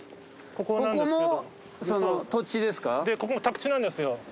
ここも宅地なんですよ。